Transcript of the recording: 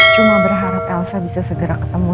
cuma berharap elsa bisa segera ketemu